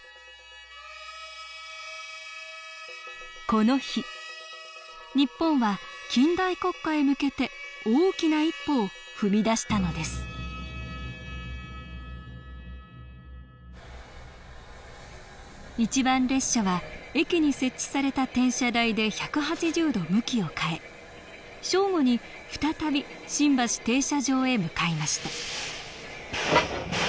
この日日本は近代国家へ向けて大きな一歩を踏み出したのです一番列車は駅に設置された転車台で１８０度向きを変え正午に再び新橋停車場へ向かいました